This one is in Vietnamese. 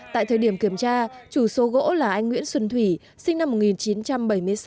tại thời điểm kiểm tra chủ số gỗ là anh nguyễn xuân thủy sinh năm một nghìn chín trăm bảy mươi sáu